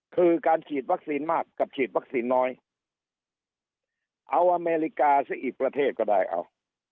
คือการฉีดวัคซีนมากกับฉีดวัคซีนน้อยเอาอเมริกาซะอีกประเทศก็ได้เอา